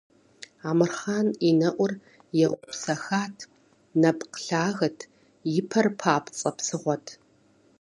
Амырхъан и нэӀур еупсэхат, нэпкъ лъагэт, и пэр папцӀэ псыгъуэт.